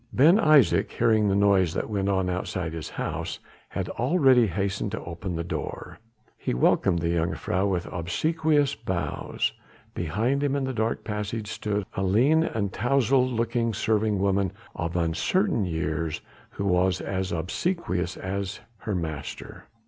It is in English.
Ben Isaje, hearing the noise that went on outside his house, had already hastened to open the door. He welcomed the jongejuffrouw with obsequious bows. Behind him in the dark passage stood a lean and towzled looking serving woman of uncertain years who was as obsequious as her master.